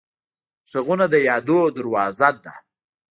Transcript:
غږونه د یادونو دروازه ده